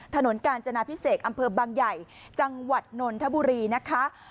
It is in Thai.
กาญจนาพิเศษอำเภอบางใหญ่จังหวัดนนทบุรีนะคะ